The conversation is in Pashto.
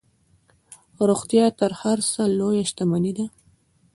روغتیا تر هر څه لویه شتمني ده.